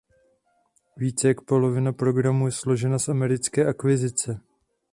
Více jak polovina programu je složena z americké akvizice.